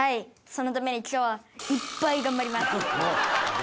そのために今日はいっぱい頑張ります！頑張ってくれよ！